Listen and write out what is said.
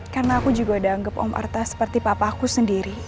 karena aku juga udah anggap om arta seperti papa aku sendiri